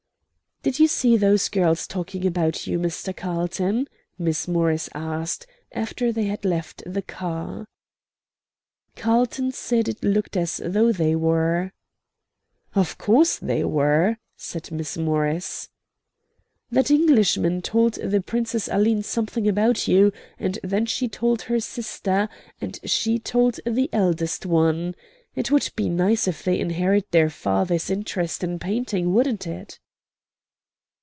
"Did you see those girls talking about you, Mr. Carlton?" Miss Morris asked, after they had left the car. Carlton said it looked as though they were. "Of course they were," said Miss Morris. "That Englishman told the Princess Aline something about you, and then she told her sister, and she told the eldest one. It would be nice if they inherit their father's interest in painting, wouldn't it?"